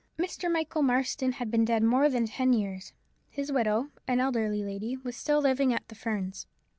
Mr. Michael Marston had been dead more than ten years. His widow, an elderly lady, was still living at the Ferns.